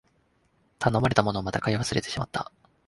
頼まれたもの、また買い忘れてしまった